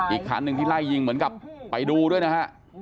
อีกคันหนึ่งที่ไล่ยิงเหมือนกับไปดูด้วยนะฮะ